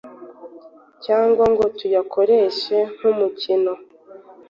cyangwa ngo tuyakoreshe nk’umukino.